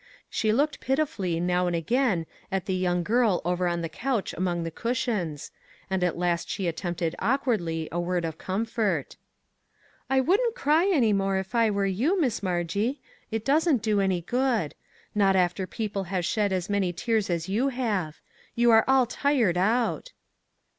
She looked piti fully now and again at the young girl over on the couch among the cushions, and at last she attempted awkwardly a word of comfort. " I wouldn't cry any more if I were you, Miss Margie. It doesn't do any good; not 389 MAG AND MARGARET after people have shed as many tears as you have. You are all tired out."